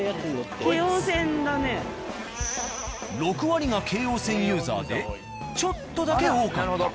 ６割が京王線ユーザーでちょっとだけ多かった。